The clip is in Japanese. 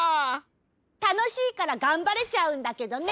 たのしいからがんばれちゃうんだけどね！